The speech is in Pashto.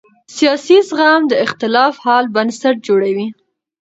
سیاسي زغم د اختلاف حل بنسټ جوړوي